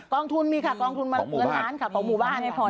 องทุนมีค่ะกองทุนเงินล้านค่ะของหมู่บ้านให้พร